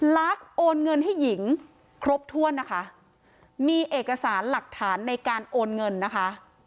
ลักโอนเงินให้หญิงครบถ้วนนะคะมีเอกสารหลักฐานในการโอนเงินนะคะ